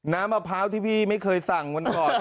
มะพร้าวที่พี่ไม่เคยสั่งวันก่อน